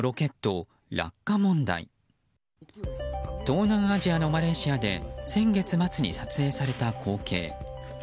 東南アジアのマレーシアで先月末に撮影された光景。